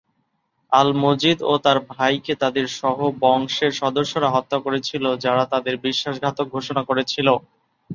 আল-মজিদ ও তার ভাইকে তাদের সহ-বংশের সদস্যরা হত্যা করেছিল, যারা তাদের বিশ্বাসঘাতক ঘোষণা করেছিল।